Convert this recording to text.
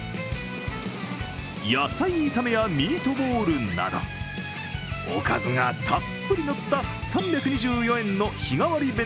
野菜炒めやミートボールなどおかずがたっぷり乗った３２４円の日替わり